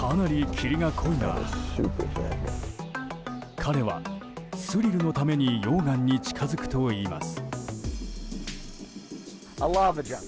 彼はスリルのために溶岩に近づくといいます。